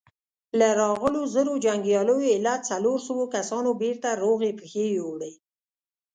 له راغلو زرو جنګياليو ايله څلورو سوو کسانو بېرته روغي پښې يووړې.